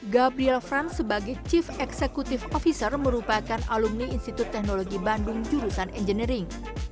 gabriel franz sebagai chief executive officer merupakan alumni institut teknologi bandung jurusan engineering